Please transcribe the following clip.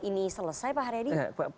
ini selesai pak haryadi